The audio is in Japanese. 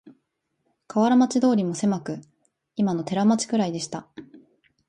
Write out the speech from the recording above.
河原町通もせまく、いまの寺町くらいでした